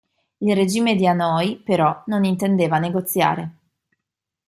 Il regime di Hanoi, però, non intendeva negoziare.